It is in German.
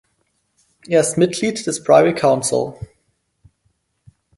Er ist Mitglied des Privy Council.